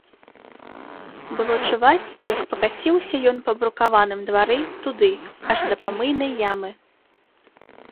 Было чуваць, як пакаціўся ён па брукаваным двары, туды, аж да памыйнай ямы.